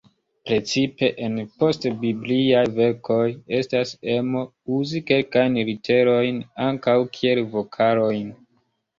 Precipe en post-bibliaj verkoj, estas emo uzi kelkajn literojn ankaŭ kiel vokalojn.